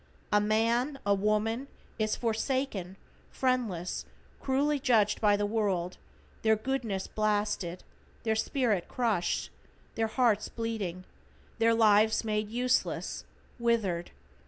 A man, a woman, is forsaken, friendless, cruelly judged by the world, their goodness blasted, their spirit crushed, their hearts bleeding, their lives made useless, withered.